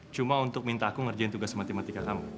cuma untuk minta aku ngerjain tugas matematika kamu